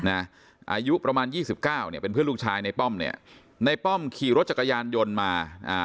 อายุประมาณ๒๙เป็นเพื่อนลูกชายในป้อมในป้อมขี่รถจักรยานยนต์มา